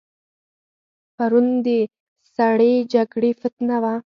پرون د سړې جګړې فتنه وه.